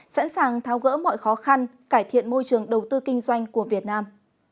sẵn sàng thao gỡ mọi khó khăn cải thiện môi trường đầu tư kinh doanh của việt nam